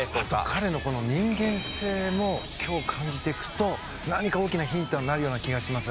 彼のこの人間性も今日感じていくと何か大きなヒントになるような気がします。